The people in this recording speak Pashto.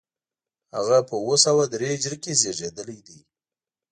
هغه په اوه سوه درې هجري کې زېږېدلی دی.